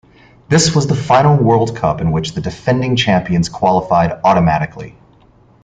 This was the final World Cup in which the defending champions qualified automatically.